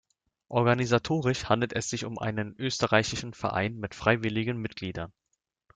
Organisatorisch handelt es sich um einen österreichischen Verein mit freiwilligen Mitgliedern.